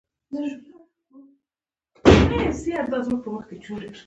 که بیا دا اقدام کوي نو زه وایم چې اووه ځله به غور کوي.